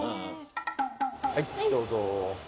はいどうぞ。